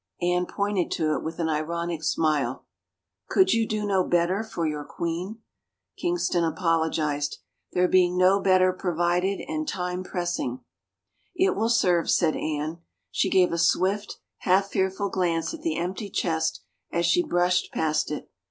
Anne pointed to it with an ironic smile. " Could you do no better for your queen ?" Kingston apologized. " There being no better pro vided and time pressing —"" It will serve," said Anne. She gave a swift, half fearful glance at the empty chest as she brushed past it.